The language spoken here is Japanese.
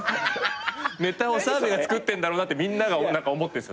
ネタを澤部が作ってんだろうなってみんなが何か思ってんす。